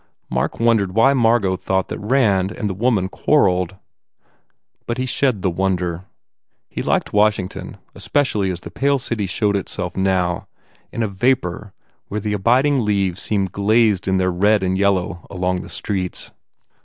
Mark wondered why Margot thought that Rand and the woman quarrelled. But he shed the wonder. He liked Washington especially as the pale city showed itself now in a vapour where the abiding leaves seemed glazed in their red and yellow along the streets.